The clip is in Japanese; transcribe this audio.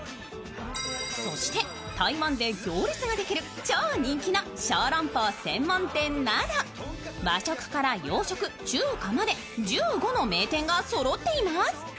そして台湾で行列ができる超人気のショーロンポー専門店など和食から洋食、中華まで１５の名店がそろっています。